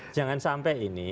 jangan sampai ini